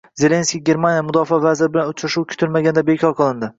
Zelenskiyning Germaniya mudofaa vaziri bilan uchrashuvi kutilmaganda bekor qilindi